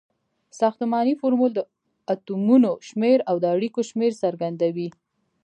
ساختمانی فورمول د اتومونو شمیر او د اړیکو شمیر څرګندوي.